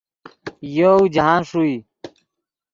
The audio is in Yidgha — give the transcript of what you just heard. یوؤ جاہند ݰوئے